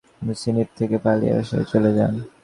তিনি সিনপ থেকে পালিয়ে রাশিয়ায় চলে যান।